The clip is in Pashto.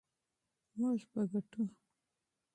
موږ به ګټو.